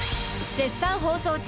絶賛放送中